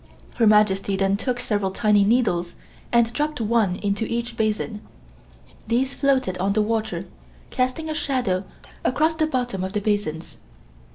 Her Majesty then took several tiny needles and dropped one into each basin. These floated on the water, casting a shadow across the bottom of the basins.